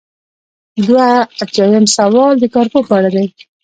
دوه ایاتیام سوال د کارپوه په اړه دی.